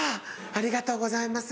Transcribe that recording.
ありがとうございます。